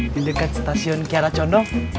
didekat stasiun kiara condong